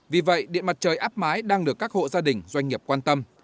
vì vậy điện mặt trời áp mái đang được các hộ gia đình doanh nghiệp quan tâm